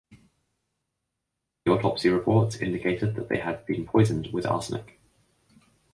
The autopsy reports indicated that they had been poisoned with arsenic.